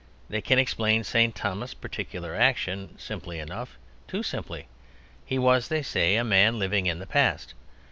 They can explain St. Thomas' particular action simply enough: too simply. He was (they say) a man living in the past.